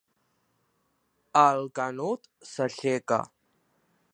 El Canut s'aixeca.